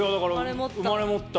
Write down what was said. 生まれ持った。